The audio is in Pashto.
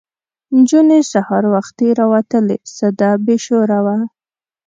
نجونې سهار وختي راوتلې سده بې شوره وه.